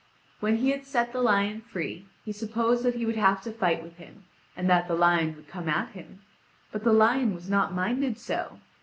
When he had set the lion free, he supposed that he would have to fight with him, and that the lion would come at him; but the lion was not minded so.